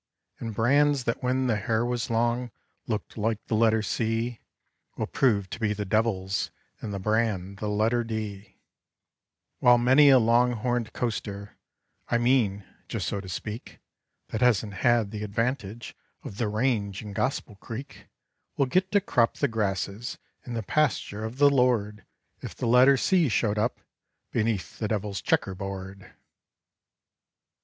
And brands that when the hair was long Looked like the letter C, Will prove to be the devil's, And the brand the letter D; While many a long horned coaster, I mean, just so to speak, That hasn't had the advantage Of the range and gospel creek Will get to crop the grasses In the pasture of the Lord If the letter C showed up Beneath the devil's checker board.